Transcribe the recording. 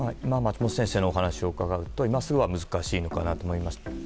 松本先生のお話を伺うと今すぐは難しいのかなと思います。